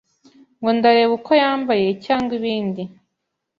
ngo ndareba uko yambaye cyangwa ibindi.